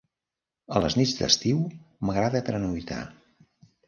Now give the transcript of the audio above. A les nits d'estiu m'agrada tranuitar.